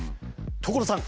所さん！